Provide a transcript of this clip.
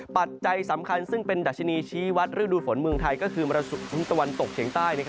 ปัจจัยสำคัญซึ่งเป็นดัชนีชี้วัดฤดูฝนเมืองไทยก็คือมรสุมตะวันตกเฉียงใต้